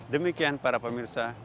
demikian para pemirsa